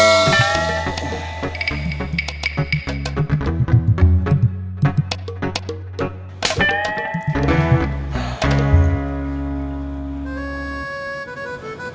buat ngapain ini ini